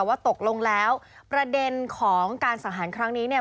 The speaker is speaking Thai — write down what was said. ว่าตกลงแล้วประเด็นของการสังหารครั้งนี้เนี่ย